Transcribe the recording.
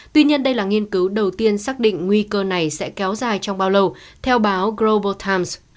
tuy nhiên đây là nghiên cứu đầu tiên xác định nguy cơ này sẽ kéo dài trong bao lâu theo báo global times